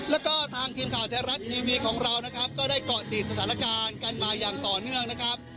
แล้วก็ทางทีมข่าวไทยรัฐทีวีของเรานะครับก็ได้เกาะติดสถานการณ์กันมาอย่างต่อเนื่องนะครับ